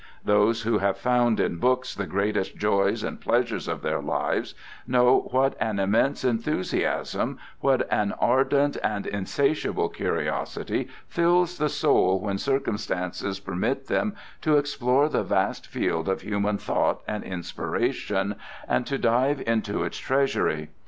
Those who have found in books the greatest joys and pleasures of their lives know what an immense enthusiasm, what an ardent and insatiable curiosity fills the soul when circumstances permit them to explore the vast field of human thought and inspiration and to dive into its treasury.